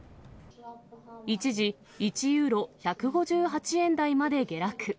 一時、１ユーロ１５８円台まで下落。